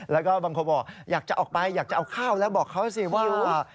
แล้วก็บางคนบอกอยากจะออกไปอยากจะเอาข้าวแล้วบอกเขาสิว่าอยู่